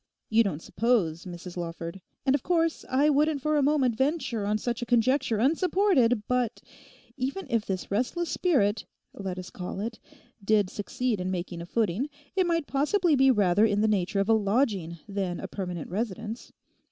You don't suppose, Mrs Lawford—and of course I wouldn't for a moment venture on such a conjecture unsupported—but even if this restless spirit (let us call it) did succeed in making a footing, it might possibly be rather in the nature of a lodging than a permanent residence.